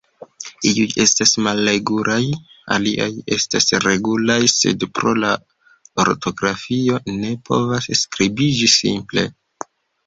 Iuj estas malregulaj; aliaj estas regulaj, sed pro la ortografio, ne povas skribiĝi simple.